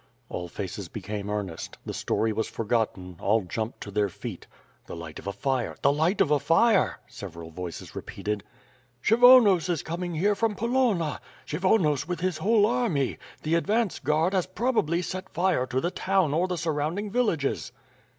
All faces became earnest. The story was forgotten; all jumped to their feet. "The light of a fire! The light of a fire," several voices repeated. "Kshyvonos is coming here from Poloma! Kshyvonos with his whole army. The advance guard has probably set fire to the town or the surrounding villages."